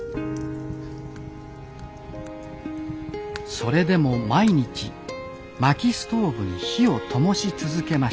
それでも毎日薪ストーブに火をともし続けました